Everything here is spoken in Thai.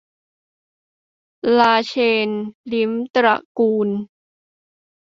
ราเชนทร์ ลิ้มตระกูล